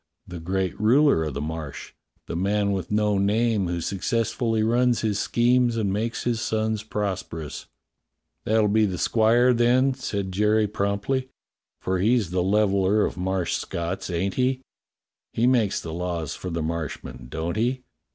"The great ruler o' the Marsh — the man with no name who successfully runs his schemes and makes his sons prosperous." "That'll be the squire, then," said Jerry promptly, "for he's the Leveller of Marsh Scotts, ain't he.^^ He makes the laws for the Marshmen, don't he.